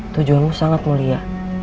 tujuanmu sangat mulia